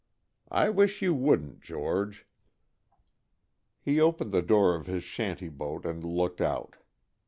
I wish you wouldn't, George." He opened the door of his shanty boat and looked out.